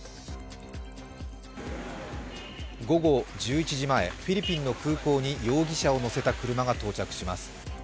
午後１１時前、フィリピンの空港に容疑者を乗せた車が到着します。